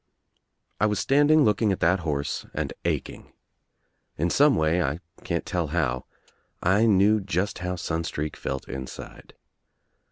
I was standing looking at that horse and aching. In some way, I can't tell how, I knew just how Sun streak felt inside.